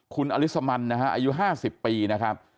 คุณอลิสมันนะฮะอายุ๕๐ปีนะครับ